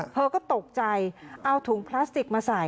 เธอก็ตกใจเอาถุงพลาสติกมาใส่